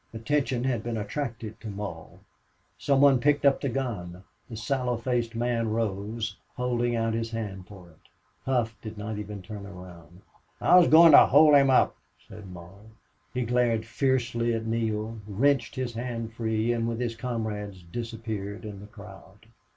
Attention had been attracted to Mull. Some one picked up the gun. The sallow faced man rose, holding out his hand for it. Hough did not even turn around. "I was goin' to hold him up," said Mull. He glared fiercely at Neale, wrenched his hand free, and with his comrades disappeared in the crowd.